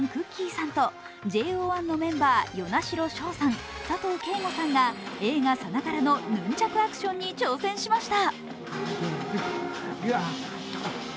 さんとＪＯ１のメンバー、與那城奨さん、佐藤景瑚さんが映画さながらのヌンチャクアクションに挑戦しました。